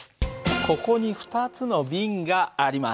ここに２つの瓶があります。